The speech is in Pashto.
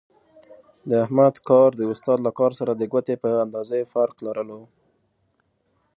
د احمد کارو د استاد له کار سره د ګوتې په اندازې فرق لرلو.